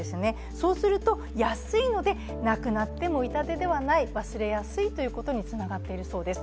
そうすると、安いのでなくなっても痛手ではない、忘れやすいということにつながっているそうです。